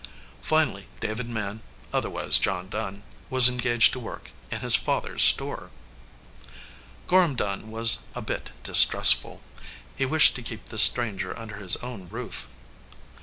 Finally David Mann, otherwise John Dunn, was engaged to work in his father s store. Gorham Dunn was a bit distrustful. He wished to keep this stranger under his own roof.